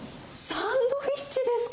サンドイッチですか？